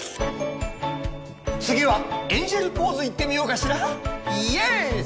次はエンジェルポーズいってみようかしらイエス！